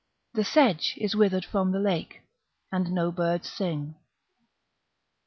The sedge is withered from the lake, And no birds sing.